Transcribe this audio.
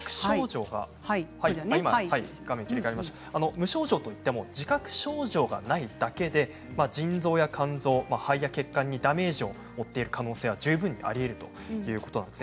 無症状といっても自覚症状がないだけで腎臓や肝臓、肺や血管にダメージを負っている可能性は十分にあるということです。